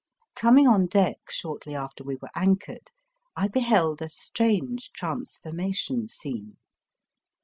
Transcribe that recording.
Coming on deck shortly after we were anchored, I beheld a strange transformation scene.